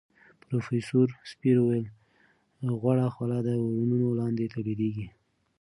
پروفیسوره سپېر وویل غوړه خوله د ورنونو لاندې تولیدېږي.